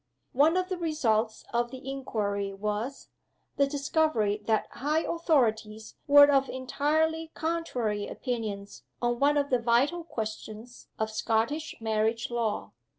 One of the results of the inquiry was, the discovery that high authorities were of entirely contrary opinions on one of the vital questions of Scottish marriage law.